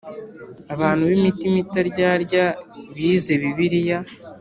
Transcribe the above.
Abantu b’ imitima itaryarya bize Bibiliya.